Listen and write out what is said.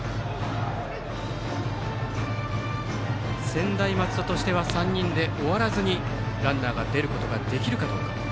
専大松戸としては３人で終わらずにランナーが出ることができるかどうか。